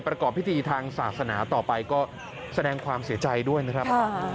ประกอบพิธีทางศาสนาต่อไปก็แสดงความเสียใจด้วยนะครับ